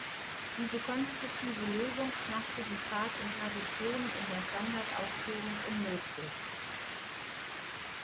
Diese konstruktive Lösung machte die Fahrt in Traktion in der Standardausführung unmöglich.